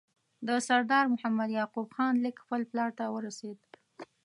د سردار محمد یعقوب خان لیک خپل پلار ته ورسېد.